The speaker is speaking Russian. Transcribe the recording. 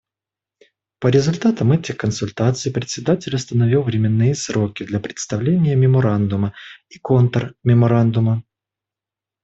По результатам этих консультаций Председатель установил временные сроки для представления меморандума и контрмеморандума.